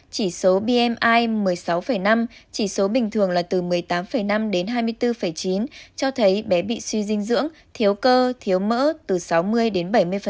chỉ số bmi một mươi sáu năm chỉ số bình thường là từ một mươi tám năm đến hai mươi bốn chín cho thấy bé bị suy dinh dưỡng thiếu cơ thiếu mỡ từ sáu mươi đến bảy mươi